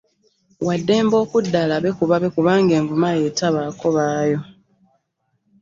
Wa ddembe okudda alabe ku babe; kubanga envuma y’etabaako baayo.